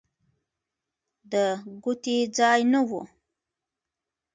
د ګوتې ځای نه و.